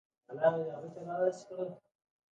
د صادراتو پراختیا د هیواد اقتصاد ته ارزښت زیاتوي.